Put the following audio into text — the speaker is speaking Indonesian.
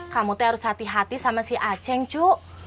kamu tuh harus hati hati sama si aceng cu